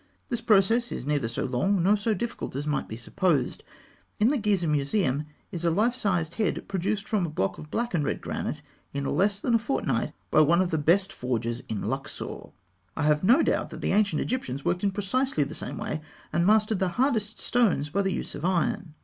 The process is neither so long nor so difficult as might be supposed. In the Gizeh Museum is a life size head, produced from a block of black and red granite in less than a fortnight by one of the best forgers in Luxor. I have no doubt that the ancient Egyptians worked in precisely the same way, and mastered the hardest stones by the use of iron.